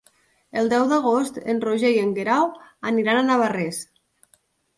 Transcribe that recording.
El deu d'agost en Roger i en Guerau aniran a Navarrés.